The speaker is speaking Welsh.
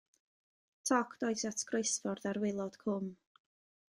Toc dois at groesffordd ar waelod cwm.